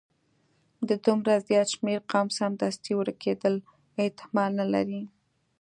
د دومره زیات شمیر قوم سمدستي ورکیدل احتمال نه لري.